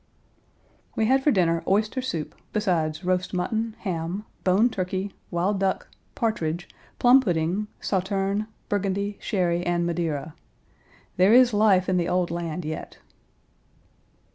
We had for dinner oyster soup, besides roast mutton, ham, boned turkey, wild duck, partridge, plum pudding, sauterne, burgundy, sherry, and Madeira. There is life in the old land yet!